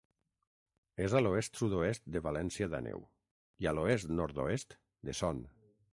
És a l'oest-sud-oest de València d'Àneu i a l'oest-nord-oest de Son.